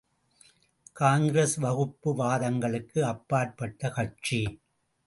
காங்கிரஸ் வகுப்பு வாதங்களுக்கு அப்பாற்பட்ட கட்சி.